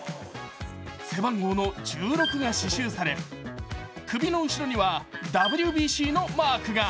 背番号の１６が刺しゅうされ首の後ろにはＷＢＣのマークが。